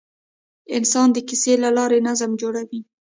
انسان د کیسې له لارې نظم جوړوي.